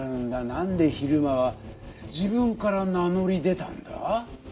なんで比留間は自分から名乗り出たんだ？